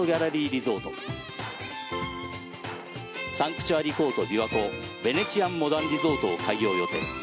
リゾートサンクチュアリコート琵琶湖ベネチアンモダンリゾートを開業予定。